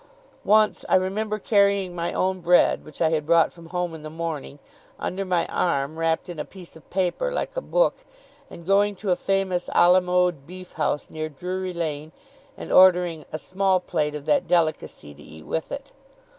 Once, I remember carrying my own bread (which I had brought from home in the morning) under my arm, wrapped in a piece of paper, like a book, and going to a famous alamode beef house near Drury Lane, and ordering a 'small plate' of that delicacy to eat with it.